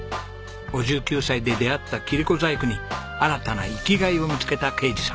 ５９歳で出会った切子細工に新たな生きがいを見つけた啓二さん。